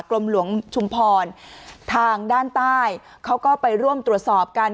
ลมหลวงชุมพรทางด้านใต้เขาก็ไปร่วมตรวจสอบกัน